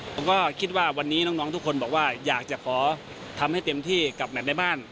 ผมก็คิดว่าวันนี้น้องทุกคนบอกว่าอยากจะขอทำให้เต็มที่กับแมทในบ้าน